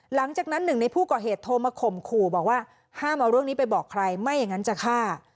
หลังจากนั้นหนึ่งในผู้ก่อเหตุโทรมาข่มขู่บอกว่าห้ามเอาเรื่องนี้ไปบอกใครไม่อย่างนั้นจะฆ่า